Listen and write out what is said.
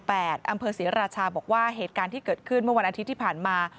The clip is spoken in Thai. อำเภอศรีราชาบอกว่าเหตุการณ์ที่เกิดขึ้นเมื่อวันอาทิตย์ที่ผ่านมา